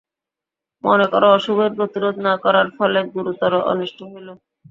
মনে কর, অশুভের প্রতিরোধ না করার ফলে গুরুতর অনিষ্ট হইল।